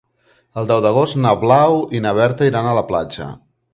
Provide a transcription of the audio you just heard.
El deu d'agost na Blau i na Berta iran a la platja.